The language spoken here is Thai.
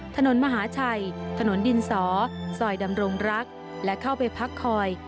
ถนนมหาชัยถนนดินสอซอยดำรงรักและเข้าไปพักคอย